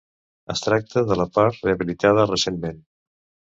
Es tracta de la part rehabilitada recentment.